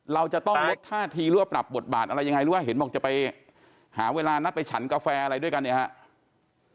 เราจะต้องลดท่าทีหรือว่าปรับบทบาทอะไรยังไงหรือว่าเห็นบอกจะไปหาเวลานัดไปฉันกาแฟอะไรด้วยกันเนี่ยครับ